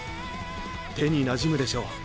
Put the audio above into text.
手になじむでしょう？